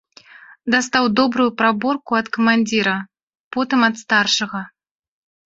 Дастаў добрую праборку ад камандзіра, потым ад старшага.